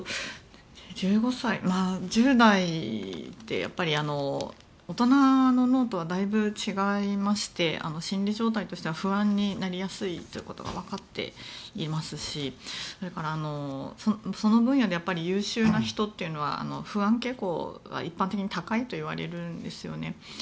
１５歳、１０代って大人の脳とはだいぶ違いまして心理状態としては不安になりやすいということが分かっていますしそれから、その分野で優秀な人というのは不安傾向が一般的に高いといわれるんですよね。